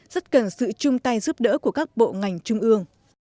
rất cần sự chung tay giúp đỡ của các bộ ngành trung ương